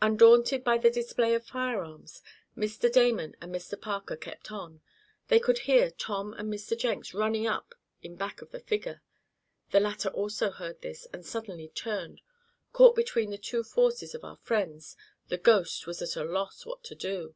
Undaunted by the display of firearms, Mr. Damon and Mr. Parker kept on. They could hear Tom and Mr. Jenks running up in back of the figure. The latter also heard this, and suddenly turned. Caught between the two forces of our friends, the "ghost" was at a loss what to do.